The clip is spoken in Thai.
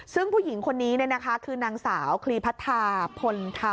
ซึ่งผู้หญิงคนนี้คือนางสาวคลีพัทธาพลธรรม